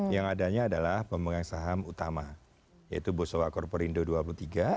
yang adanya adalah pemegang saham utama yaitu bosowa corporindo dua puluh tiga dan bukopin bank dua puluh tiga